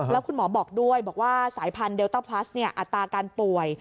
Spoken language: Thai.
แล้วคุณหมอบอกด้วยบอกว่าสายพันธุเดลต้าพลัสอัตราการป่วย